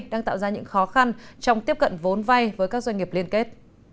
đang tạo ra những khó khăn trong tiếp cận vốn vay với các doanh nghiệp liên kết